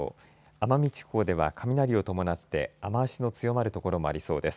奄美地方では雷を伴って雨足の強まる所もありそうです。